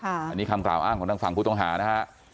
อันนี้คำกล่าวอ้างของทางฝั่งผู้ต้องหานะฮะ